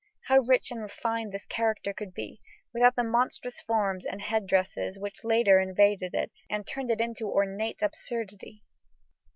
How rich and refined this character could be, without the monstrous forms and head dresses which later invaded it and turned it into ornate absurdity!